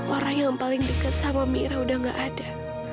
orang yang paling dekat sama mira udah gak ada